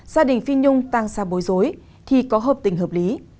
gia đình phi nhung tăng ra bối rối thì có hợp tình hợp lý